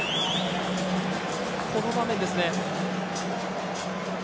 この場面ですね。